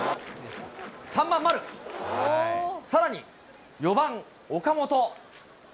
３番丸、さらに、４番岡本。